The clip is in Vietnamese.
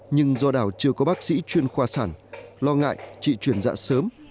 nhưng do đảo chưa có bác sĩ chuyên khoa sản lo ngại chị chuyển dạ sớm